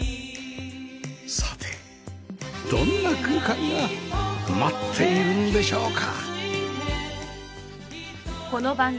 さてどんな空間が待っているんでしょうか？